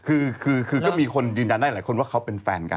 คือคือก็มีคนยืนยันได้หลายคนว่าเขาเป็นแฟนกัน